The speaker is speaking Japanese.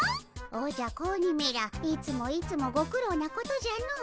おじゃ子鬼めらいつもいつもご苦労なことじゃの。